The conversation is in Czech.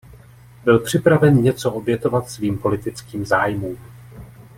Byl připraven něco obětovat svým politickým zájmům.